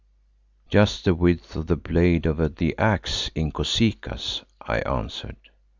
"Just the width of the blade of the axe, Inkosikaas," I answered.